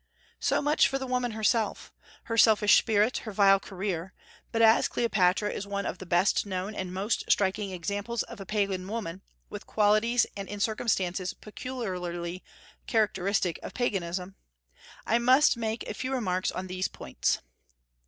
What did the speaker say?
So much for the woman herself, her selfish spirit, her vile career; but as Cleopatra is one of the best known and most striking examples of a Pagan woman, with qualities and in circumstances peculiarly characteristic of Paganism, I must make a few remarks on these points.